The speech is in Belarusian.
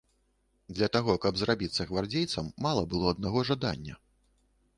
Для таго, каб зрабіцца гвардзейцам, мала было аднаго жадання.